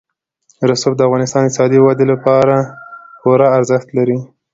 رسوب د افغانستان د اقتصادي ودې لپاره پوره ارزښت لري.